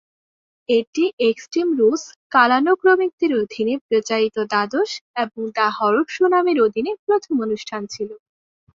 এটি extreme rules কালানুক্রমিকের অধীনে প্রচারিত দ্বাদশ এবং "দ্য হরর শো" নামের অধীনে প্রথম অনুষ্ঠান ছিল।